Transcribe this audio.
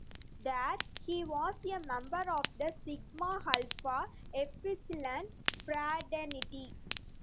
There, he was a member of the Sigma Alpha Epsilon fraternity.